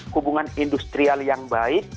hubungan industrial yang baik